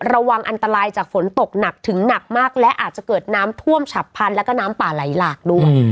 ระวังอันตรายจากฝนตกหนักถึงหนักมากและอาจจะเกิดน้ำท่วมฉับพันธุ์แล้วก็น้ำป่าไหลหลากด้วย